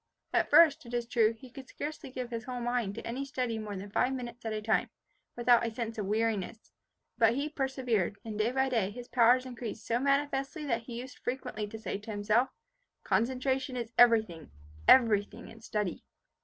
At first, it is true, he could scarcely give his whole mind to any study more than five minutes at a time, without a sense of weariness; but he persevered, and day by day his powers increased so manifestly that he used frequently to say to himself, "concentration is everything everything in study."